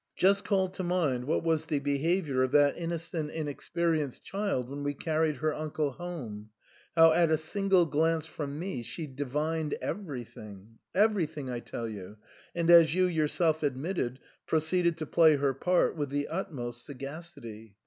Just call to mind what was the behavior of that innocent, inexperi enced child when we carried her uncle home, how at a single glance from me she divined everything — every thing, I tell you, and, as you yourself admitted, pro ceeded to play her part with the utmost sagacity.